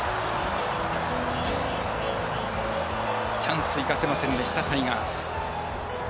チャンス、生かせませんでしたタイガース。